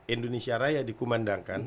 indonesia raya dikubandangkan